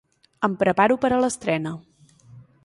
Em preparo per a l'estrena.